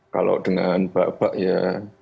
kalau dengan bapak ya